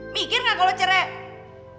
mikir gak kalau cerai